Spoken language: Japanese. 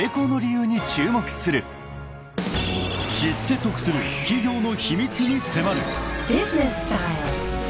［知って得する企業の秘密に迫る］